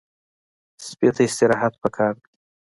سپي ته استراحت پکار دی.